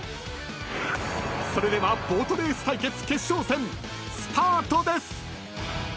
［それではボートレース対決決勝戦スタートです！］